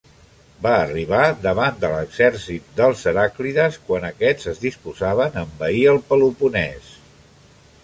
Va arribar davant de l'exèrcit dels Heràclides quan aquests es disposaven a envair el Peloponès.